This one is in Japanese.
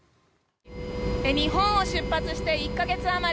日本を出発して１か月あまり。